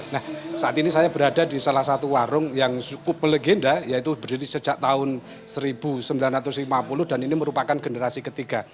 nah saat ini saya berada di salah satu warung yang cukup legenda yaitu berdiri sejak tahun seribu sembilan ratus lima puluh dan ini merupakan generasi ketiga